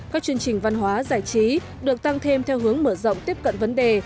các chương trình văn hóa giải trí được tăng thêm theo hướng mở rộng tiếp cận vấn đề